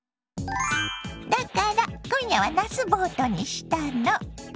だから今夜はなすボートにしたの。